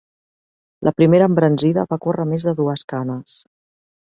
La primera embranzida, va córrer més de dugues canes